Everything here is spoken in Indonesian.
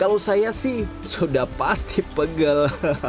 kalau saya sih sudah pasti pegel